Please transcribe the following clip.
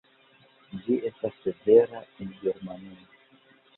Ĝi estas vera en Germanujo.